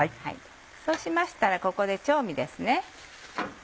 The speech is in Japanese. そうしましたらここで調味です。